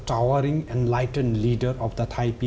แต่ก็เป็นสินที่ที่ให้เราโดยรับสร้าง